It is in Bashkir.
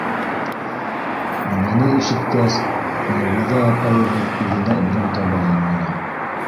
Быны ишеткәс, Мәүлиҙә апайыбыҙ үҙенә урын таба алманы.